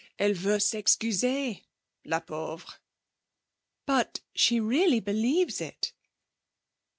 Elle veut s'excuser; la pauvre.' 'But she really believes it.'